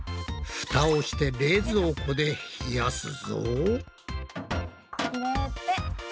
フタをして冷蔵庫で冷やすぞ。